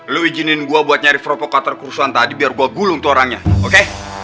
lu izinin gua buat nyari provokator kerusuhan tadi biar gua gulung tuh orangnya oke